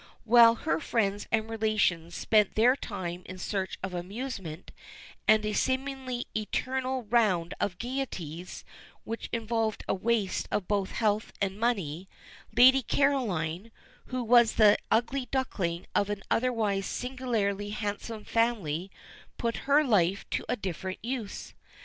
While her friends and relations spent their time in search of amusement, and a seemingly eternal round of gaieties, which involved a waste of both health and money, Lady Caroline, who was the ugly duckling of an otherwise singularly handsome family, put her life to a different use.